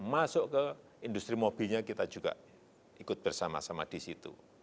masuk ke industri mobilnya kita juga ikut bersama sama di situ